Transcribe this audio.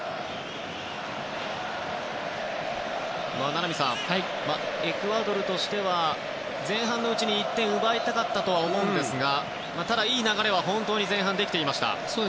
名波さん、エクアドルとしては前半のうちに１点奪いたかったとは思いますがただ、いい流れは本当に前半できていました。